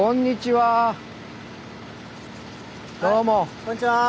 はいこんにちは。